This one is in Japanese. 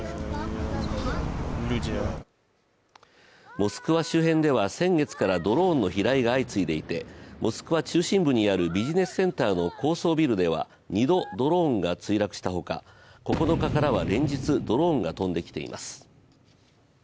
モスクワ周辺では先月からドローンの飛来が相次いでいてモスクワ中心部にあるビジネスセンターの高層ビルでは２度、ドローンが墜落したほか９日からは連日、ドローンが飛んできています。